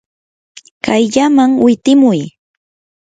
kayllaman witimuy.